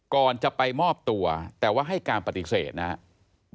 ก่อนจะไปมอบตัวแต่ว่าให้การปฏิเสธนะครับ